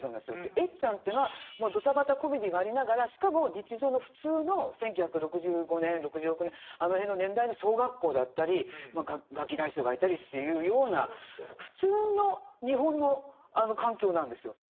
エッちゃんというのはもうドタバタコメディーがありながらしかも日常の普通の１９６５年６６年あの辺の年代の小学校だったりガキ大将がいたりというような普通の日本の環境なんですよ。